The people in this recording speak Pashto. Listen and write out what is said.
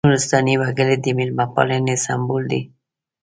نورستاني وګړي د مېلمه پالنې سمبول دي.